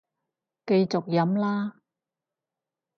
繼續飲啦